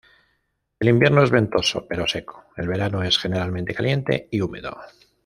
El invierno es ventoso pero seco, el verano es generalmente caliente y húmedo.